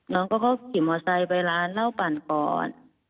น้องก็ขี่มอไซค์ไปร้านเหล้าปั่นก่อน